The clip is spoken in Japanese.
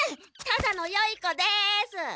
ただのよい子です！